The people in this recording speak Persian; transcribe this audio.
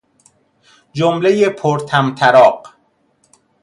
جملهُ پرطمطراق